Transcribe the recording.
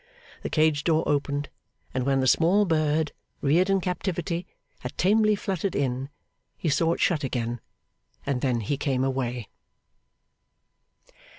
The cage door opened, and when the small bird, reared in captivity, had tamely fluttered in, he saw it shut again; and then he came away.